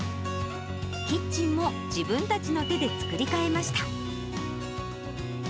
キッチンも自分たちの手で作りかえました。